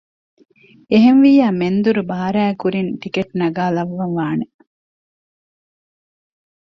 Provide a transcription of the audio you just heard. އެހެންވިއްޔާ މެންދުރު ބާރައިގެ ކުރިން ޓިކެޓް ނަގާލައްވަން ވާނެ